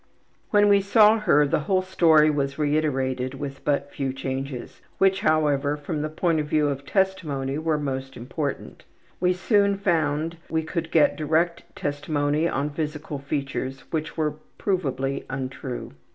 When we saw her the whole story was reiterated with but few changes, which, however, from the standpoint of testimony were most important. We soon found we could get direct testimony on physical features which were provably untrue.